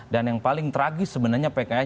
dan yang paling tragis sebenarnya pks